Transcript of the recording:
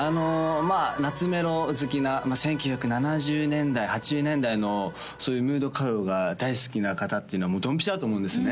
懐メロ好きな１９７０年代８０年代のそういうムード歌謡が大好きな方っていうのはドンピシャだと思うんですよね